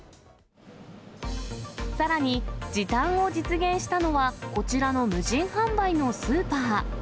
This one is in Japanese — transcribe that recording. さらに、時短を実現したのは、こちらの無人販売のスーパー。